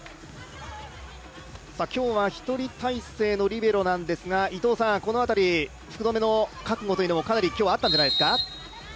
今日は一人体制のリベロなんですが、この辺り、福留の覚悟というのも今日はあったんじゃないですか？